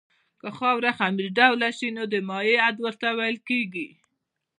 که خاوره خمیر ډوله شي نو د مایع حد ورته ویل کیږي